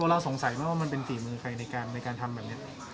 เราสงสัยไหมว่ามันเป็นฝีมือใครในการทำแบบนี้